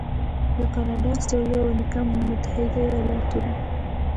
لکه کاناډا، اسټرالیا او امریکا متحده ایالتونو.